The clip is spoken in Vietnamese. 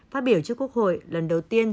phát biểu trước quốc hội lần đầu tiên